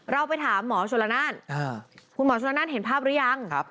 เราไปถามหมอชนละนานคุณหมอชนละนานเห็นภาพหรือยัง